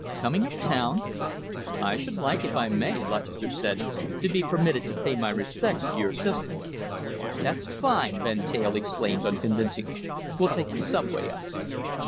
Coming up town?" "I should like, if I may?" Lutchester said, "to be permitted to pay my respects to your sister." "Why, that's fine!" Van Teyl exclaimed unconvincingly. "We'll take the subway up."